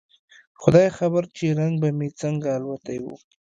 خداى خبر چې رنگ به مې څنګه الوتى و.